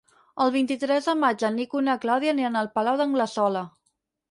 El vint-i-tres de maig en Nico i na Clàudia aniran al Palau d'Anglesola.